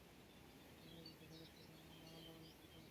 আমি তাকে জিজ্ঞাসা করতে চাই, আমার লালন-পালনে কি কমতি ছিল।